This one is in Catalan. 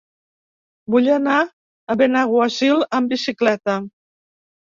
Vull anar a Benaguasil amb bicicleta.